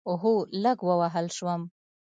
هو، لږ ووهل شوم